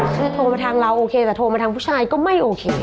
คือโทรมาทางเราโอเคแต่โทรมาทางผู้ชายก็ไม่โอเค